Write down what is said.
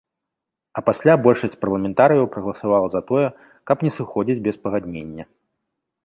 А пасля большасць парламентарыяў прагаласавала за тое, каб не сыходзіць без пагаднення.